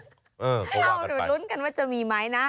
เอาหรือลุ้นกันว่าจะมีไหมนะ